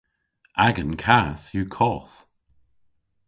Agan kath yw koth.